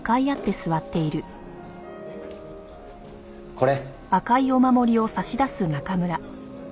これ。